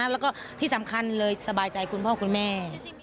แล้วก็ที่สำคัญเลยสบายใจคุณพ่อคุณแม่